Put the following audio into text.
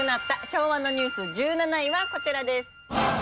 昭和のニュース１７位はこちらです。